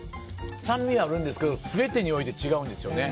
酸味があるんですけど全てにおいて違うんですよね。